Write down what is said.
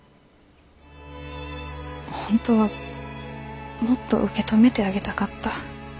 本当はもっと受け止めてあげたかった。